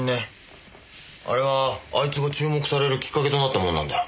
あれはあいつが注目されるきっかけとなったものなんだよ。